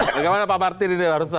ini kemarin pak martin